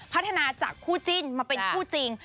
พัฒนาจากคู่จิ้นมาเป็นคู่จริง